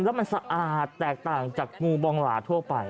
แล้วมันสะอาดแตกต่างจากงูบองหลาทั่วไป